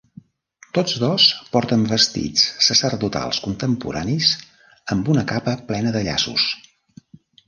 Tots dos porten vestits sacerdotals contemporanis amb una capa plena de llaços.